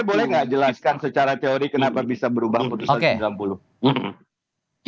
saya boleh gak jelaskan secara teori kenapa bisa berubah keputusan ke enam puluh